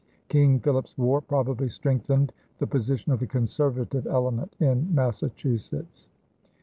King Philip's War probably strengthened the position of the conservative element in Massachusetts.